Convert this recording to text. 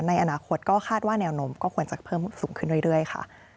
ในอนาคตก็คาดว่าแนวโน้มก็ควรจะเพิ่มสูงขึ้นเรื่อยค่ะ